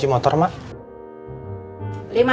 bapak tanya lagi ke ibu